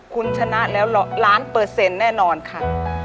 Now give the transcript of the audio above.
คุณชนะแล้วล้านเปอร์เซ็นต์แน่นอนค่ะ